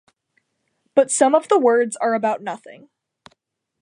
But some of the words are about nothing.